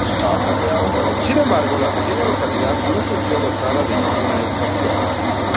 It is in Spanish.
Sin embargo, la pequeña localidad no se vio dotada de ninguna estación.